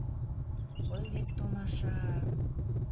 Ой вет томаша-а...